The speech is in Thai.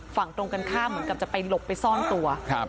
ฝั่งตรงกันข้ามเหมือนกับจะไปหลบไปซ่อนตัวครับ